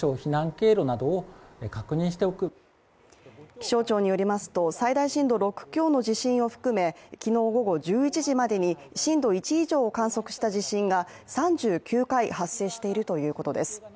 気象庁によりますと、最大震度６強の地震を含め、昨日午後１１時までに震度１以上を観測した地震が３９回発生しているということです。